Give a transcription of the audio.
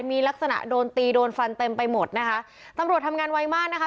มีลักษณะโดนตีโดนฟันเต็มไปหมดนะคะตำรวจทำงานไวมากนะคะ